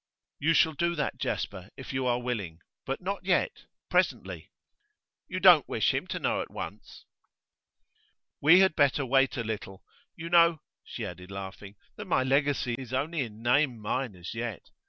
'You shall do that, Jasper, if you are willing. But not yet; presently.' 'You don't wish him to know at once?' 'We had better wait a little. You know,' she added laughing, 'that my legacy is only in name mine as yet.